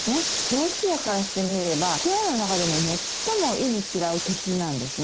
ロシアからしてみれば、ウクライナの中でも最も忌み嫌う敵なんですね。